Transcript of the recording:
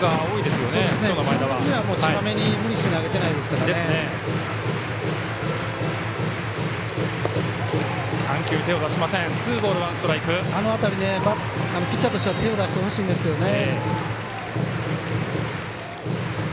あの辺り、ピッチャーとしては手を出してほしいんですけどね。